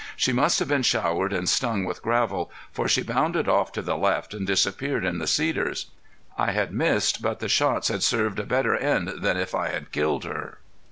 She must have been showered and stung with gravel, for she bounded off to the left and disappeared in the cedars. I had missed, but the shots had served to a better end than if I had killed her.